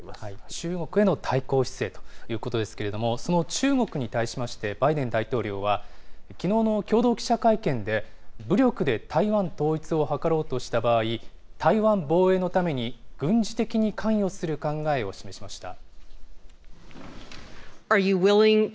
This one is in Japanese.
中国への対抗姿勢ということですけれども、その中国に対しまして、バイデン大統領は、きのうの共同記者会見で、武力で台湾統一を図ろうとした場合、台湾防衛のために軍事的に関与する考えを示しました。